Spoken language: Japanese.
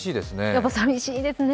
やっぱり寂しいですね。